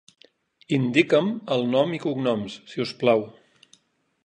Indica'm el nom i cognoms, si us plau.